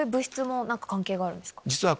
実は。